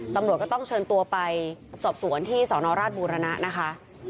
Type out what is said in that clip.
ตำรวจก็ต้องเชิญตัวไปสอบสวนที่สนราชบูรณะนะคะ